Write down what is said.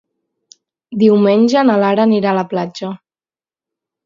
Diumenge na Lara anirà a la platja.